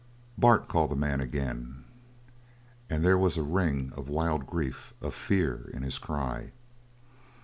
"Bart!" called the man again, and there was a ring of wild grief of fear in his cry.